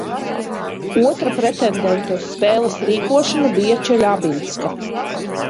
Otra pretendente uz spēles rīkošanu bija Čeļabinska.